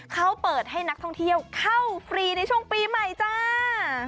เขาเปิดให้นักท่องเที่ยวเข้าฟรีในช่วงปีใหม่จ้า